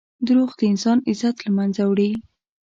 دروغ د انسان عزت له منځه وړي.